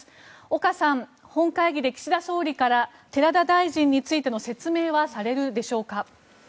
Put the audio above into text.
岡さん、本会議で岸田総理から寺田大臣についての説明はされるでしょうか？